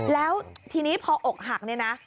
แล้วทีนี้พออกหักเนี่ยนะ